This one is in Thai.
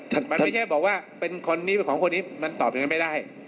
มันไม่ใช่บอกว่าเป็นคนนี้เป็นของคนนี้มันตอบอย่างนั้นไม่ได้